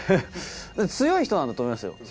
強い人なんだと思いますよ。